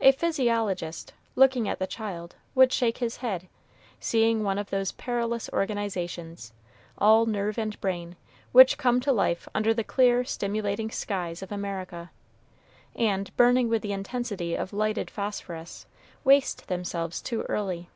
A physiologist, looking at the child, would shake his head, seeing one of those perilous organizations, all nerve and brain, which come to life under the clear, stimulating skies of America, and, burning with the intensity of lighted phosphorus, waste themselves too early.